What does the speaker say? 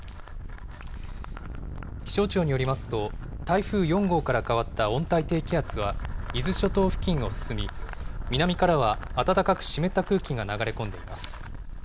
気象庁によりますと、台風４号から変わった温帯低気圧は、伊豆諸島付近を進み、南からは暖かく湿った空気が流れ込んでいます。